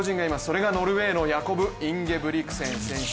それがノルウェーのインゲブリクセン選手。